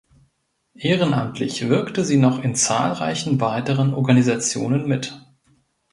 Ehrenamtlich wirkte sie noch in zahlreichen weiteren Organisationen mit.